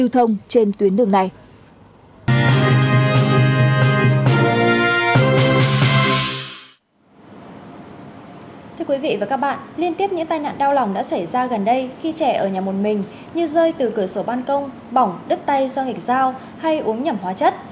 thưa quý vị và các bạn liên tiếp những tai nạn đau lòng đã xảy ra gần đây khi trẻ ở nhà một mình như rơi từ cửa sổ ban công bỏng đứt tay do nghịch dao hay uống nhầm hóa chất